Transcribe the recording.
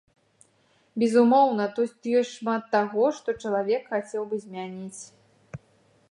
Безумоўна, тут ёсць шмат таго, што чалавек хацеў бы змяніць.